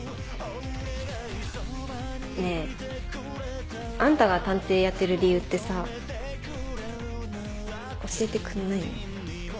ねぇあんたが探偵やってる理由ってさ教えてくんないの？